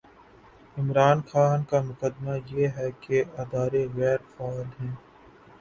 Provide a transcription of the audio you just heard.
عمران خان کا مقدمہ یہ ہے کہ ادارے غیر فعال ہیں۔